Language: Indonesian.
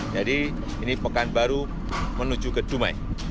jadi ini mekan baru menuju ke dumai